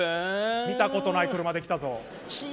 見たことない車で来たぞ！